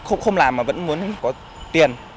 không làm mà vẫn muốn có tiền